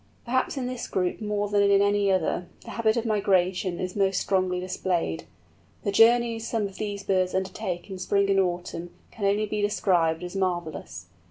Perhaps in this group more than in any other, the habit of migration is most strongly displayed. The journeys some of these birds undertake in spring and autumn can only be described as marvellous.